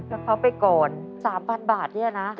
ก็เข้าไปก่อน๓๐๐๐บาทนี่นะ